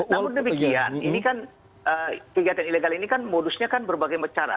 namun demikian ini kan kegiatan ilegal ini kan modusnya kan berbagai macam cara